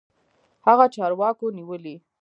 هغه چارواکو نيولى.